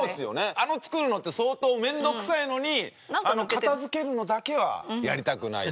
あの作るのって相当面倒くさいのにあの片付けるのだけはやりたくないと。